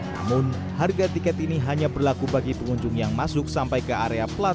namun harga tiket ini hanya berlaku bagi pengunjung yang masuk sampai ke area plat nomor